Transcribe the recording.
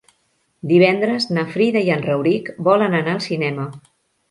Divendres na Frida i en Rauric volen anar al cinema.